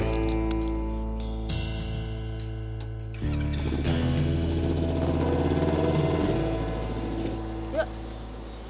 gak ada yang mau gxd